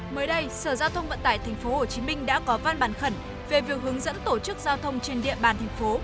mới đây sở giao thông vận tải tp hcm đã có văn bản khẩn về việc hướng dẫn tổ chức giao thông trên địa bàn thành phố